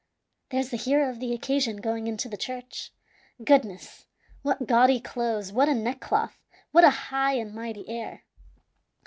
there's the hero of the occasion going into the church. Goodness! what gaudy clothes, what a neckcloth, what a high and mighty air!